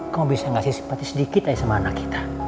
kamu bisa ngasih seperti sedikit aja sama anak kita